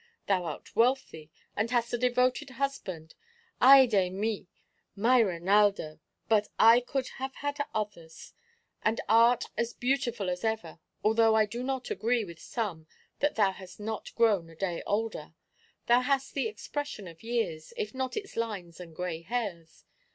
Thou art wealthy, and hast a devoted husband, ay de mi, my Reinaldo! (but I could have had others), and art as beautiful as ever, although I do not agree with some that thou hast not grown a day older. Thou hast the expression of years, if not its lines and grey hairs.